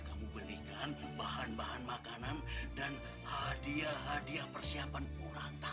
sampai jumpa di video selanjutnya